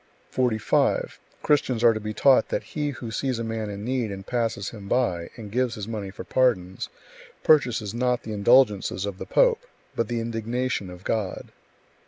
45. 45. Christians are to be taught that he who sees a man in need, and passes him by, and gives [his money] for pardons, purchases not the indulgences of the pope, but the indignation of God.